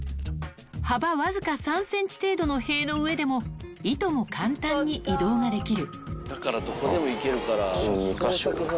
幅僅か３センチ程度の塀の上でも、いとも簡単に移動ができる。